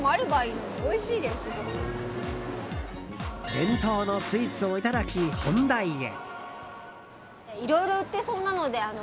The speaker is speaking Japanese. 伝統のスイーツをいただき本題へ。